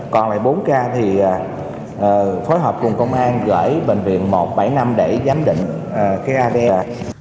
còn lại bốn ca thì phối hợp cùng công an gửi bệnh viện một bảy năm để giám định cái adm